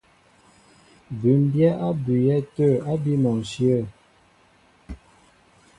Bʉ́mbyɛ́ á bʉʉyɛ́ tə̂ ábí mɔnshyə̂.